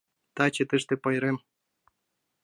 Таче тыште пайрем.